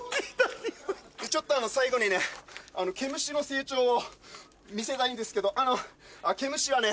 ちょっと最後にね毛虫の成長を見せたいんですけど毛虫はね